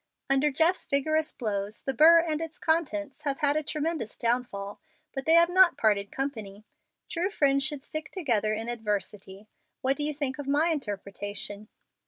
Under Jeff's vigorous blows the burr and its contents have had a tremendous downfall, but they have not parted company. True friends should stick together in adversity. What do you think of my interpretation?"